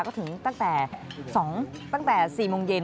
ก็ถึงตั้งแต่สองตั้งแต่สี่โมงเย็น